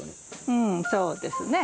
うんそうですね。